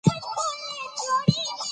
هرات د افغانستان د ملي هویت نښه ده.